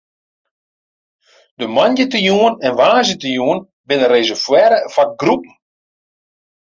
De moandeitejûn en woansdeitejûn binne reservearre foar groepen.